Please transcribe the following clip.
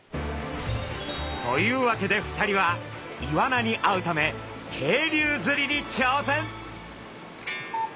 というわけで２人はイワナに会うため渓流釣りにちょうせん！